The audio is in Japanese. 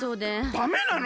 ダメなの？